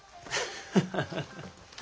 ハハハハ。